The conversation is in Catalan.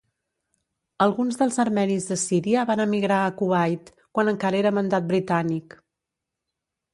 Alguns dels armenis de Síria van emigrar a Kuwait, quan encara era mandat britànic.